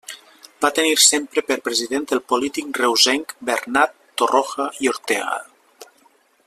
Va tenir sempre per president el polític reusenc Bernat Torroja i Ortega.